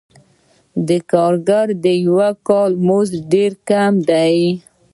د کارګر د یوه کال مزد ډېر کم دی